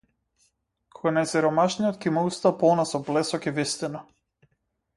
Кога најсиромашниот ќе има уста полна со блесок и вистина.